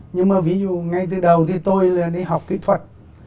nhưng mà ví dụ ngay từ đầu thì tôi là đi học kỹ thuật